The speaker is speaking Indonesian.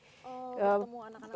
oh ketemu anak anak